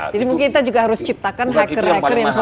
mungkin kita juga harus ciptakan hacker hacker yang sama